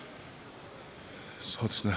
そうですね。